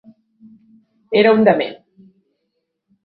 Era un dement.